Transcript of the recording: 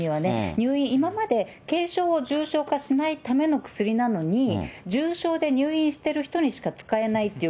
入院、今まで軽症を重症化しないための薬なのに、重症で入院してる人にしか使えないっていう、